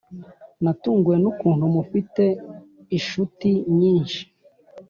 natunguwe nukuntu mufite ishuti nyinshi